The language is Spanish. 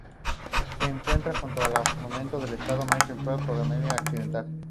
Se encuentra junto a la frontera con el estado de Mecklemburgo-Pomerania Occidental.